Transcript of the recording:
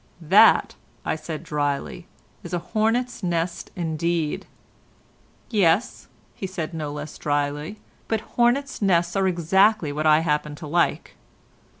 "That," said I drily, "is a hornet's nest indeed." "Yes," said he no less drily, "but hornet's nests are exactly what I happen to like.